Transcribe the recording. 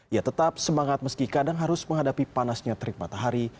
ia tetap semangat meski kadang harus menghadapi panasnya terik matahari